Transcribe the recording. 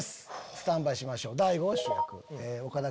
スタンバイしましょう。